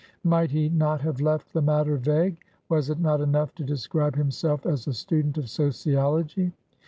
Might he not have left the matter vague? Was it not enough to describe himself as a student of sociology?